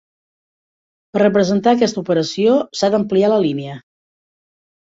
Per representar aquesta operació, s'ha d'ampliar la línia.